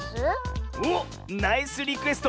おっナイスリクエスト！